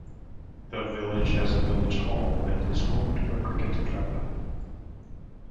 The village has a village hall and is home to a cricket club.